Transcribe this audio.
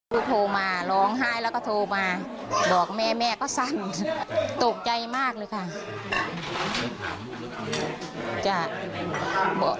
โทรมาร้องไห้แล้วก็โทรมาบอกแม่แม่ก็สั้นตกใจมากเลยค่ะ